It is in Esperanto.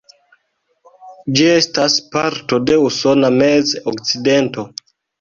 Ĝi estas parto de Usona Mez-Okcidento.